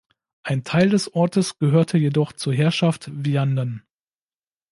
Ein Teil des Ortes gehörte jedoch zur Herrschaft Vianden.